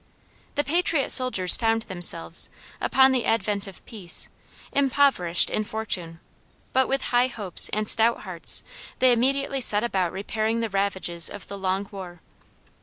The patriot soldiers found themselves, upon the advent of peace, impoverished in fortune; but with high hopes and stout hearts they immediately set about repairing the ravages of the long war.